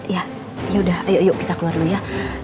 ya ya udah ayo ayo kita keluar dulu ya